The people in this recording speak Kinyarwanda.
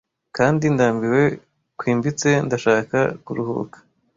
kandi ndambiwe kwimbitse ndashaka kuruhuka